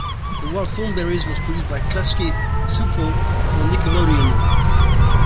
"The Wild Thornberrys" was produced by Klasky Csupo for Nickelodeon.